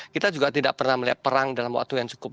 kita juga tidak pernah melihat perang dalam waktu yang cukup